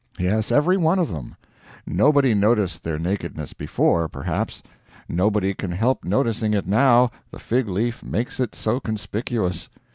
Yes, every one of them. Nobody noticed their nakedness before, perhaps; nobody can help noticing it now, the fig leaf makes it so conspicuous.